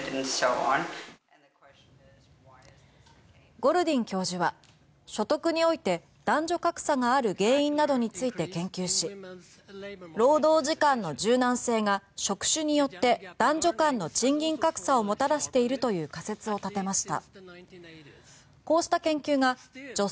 ゴルディン教授は所得において男女格差がある原因などについて研究し労働時間の柔軟性が職種によって男女間の賃金格差をもたらしているという仮説を立てました。